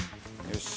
よし。